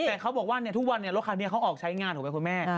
แต่เขาบอกว่าทุกวันรถคันนี้เขาออกใช้งานถูกไหมคุณแม่